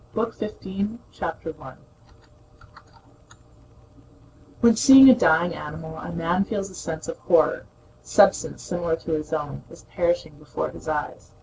BOOK FIFTEEN: 1812 13 CHAPTER I When seeing a dying animal a man feels a sense of horror: substance similar to his own is perishing before his eyes.